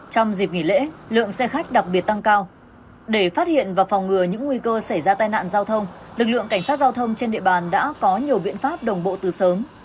trong dịp nghỉ lễ lượng xe khách đặc biệt tăng cao để phát hiện và phòng ngừa những nguy cơ xảy ra tai nạn giao thông lực lượng cảnh sát giao thông trên địa bàn đã có nhiều biện pháp đồng bộ từ sớm